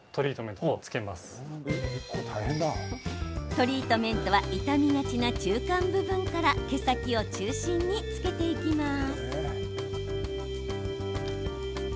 トリートメントは傷みがちな中間部分から毛先を中心につけていきます。